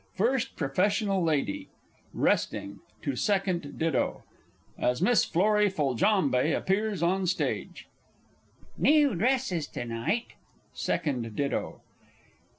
FIRST PROFESSIONAL LADY, "resting," to SECOND DITTO (as MISS FLORRIE FOLJAMBE appears on Stage). New dresses to night. SECOND DITTO.